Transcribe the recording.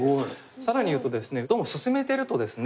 更に言うとですねどうも進めているとですね